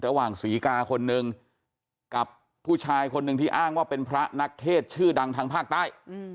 ระหว่างศรีกาคนนึงกับผู้ชายคนหนึ่งที่อ้างว่าเป็นพระนักเทศชื่อดังทางภาคใต้